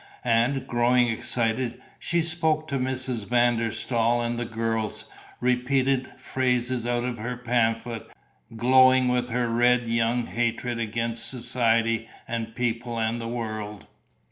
And, growing excited, she spoke to Mrs. van der Staal and the girls, repeated phrases out of her pamphlet, glowing with her red young hatred against society and people and the world.